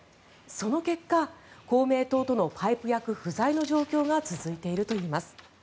その結果、公明党とのパイプ役不在の状況が続いているといいます。